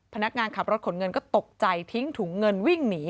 พนักงานขับรถขนเงินก็ตกใจทิ้งถุงเงินวิ่งหนี